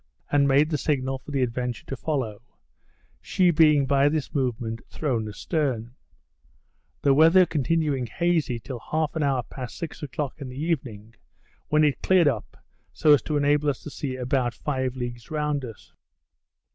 and made the signal for the Adventure to follow, she being by this movement thrown a stern: The weather continuing hazy till half an hour past six o'clock in the evening, when it cleared up so as to enable us to see about five leagues round us.